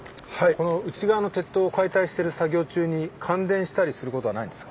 この内側の鉄塔を解体している作業中に感電したりすることはないんですか？